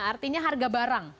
artinya harga barang